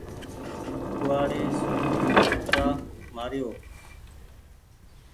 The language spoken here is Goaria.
ڪوُوآڙي سون ڪترآ مآريو ۔